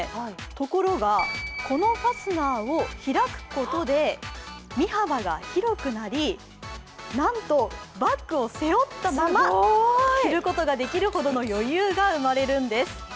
ところが、このファスナーを開くことで身幅が広くなりなんとバッグを背負ったまま着ることができるほどの余裕が生まれるんです。